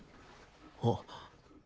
あっ。